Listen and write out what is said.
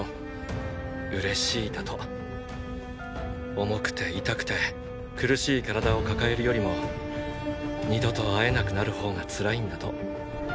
おもくて痛くて苦しい体を抱えるよりも二度と会えなくなる方がつらいんだと。